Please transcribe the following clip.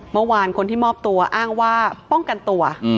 เมื่อวานคนที่มอบตัวอ้างว่าป้องกันตัว